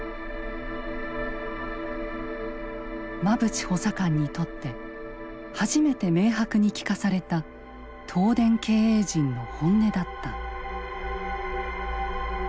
馬淵補佐官にとって初めて明白に聞かされた東電経営陣の本音だった。